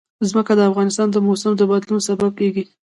ځمکه د افغانستان د موسم د بدلون سبب کېږي.